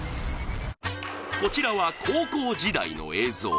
こちらは高校時代の映像。